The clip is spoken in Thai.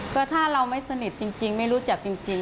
ก็ถ้าเราไม่สนิทจริงไม่รู้จักจริง